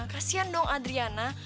kasihan dong adriana